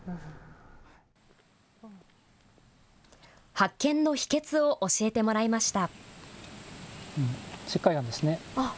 発見の秘けつを教えてもらいました。